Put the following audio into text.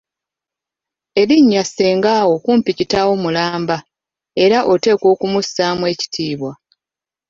Erinnya Ssengawo kumpi kitaawo mulamba, era oteekwa okumussaamu ekitiibwa.